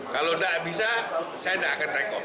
kalau gak bisa saya gak akan rekom